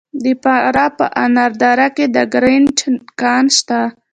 د فراه په انار دره کې د ګرانیټ کان شته.